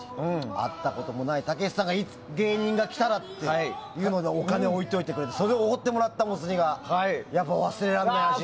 会ったこともないたけしさんがいつか芸人が来たらってのでお金を置いていてそれでおごってもらったモツ煮が忘れられないのよ。